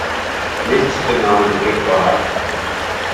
Nid dyna oedd y gic orau.